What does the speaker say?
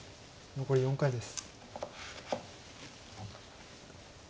残り４回です。